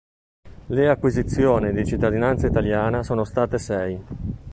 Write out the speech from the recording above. Le acquisizioni di cittadinanza italiana sono state sei.